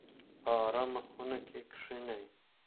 په ارامه خونه کې کښینئ.